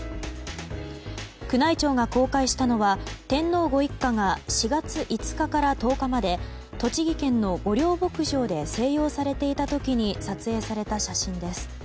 宮内庁が公開したのは天皇ご一家が４月５日から１０日まで栃木県の御料牧場で静養されていた時に撮影された写真です。